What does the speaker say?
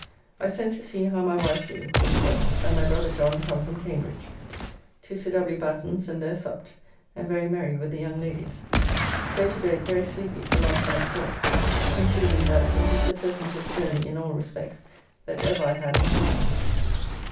I sent to see how my wife do, who is well, and my brother John come from Cambridge. To Sir W. Batten's and there supped, and very merry with the young ladles. So to bed very sleepy for last night's work, concluding that it is the pleasantest journey in all respects that ever I had in my life.